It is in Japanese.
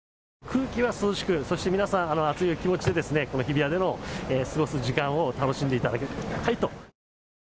空気は涼しく、そして皆さん熱い気持ちで日比谷での過ごす時間を楽しんでいただきたいと。